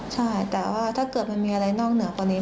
ใช่แต่ว่าถ้าเกิดมันมีอะไรนอกเหนือกว่านี้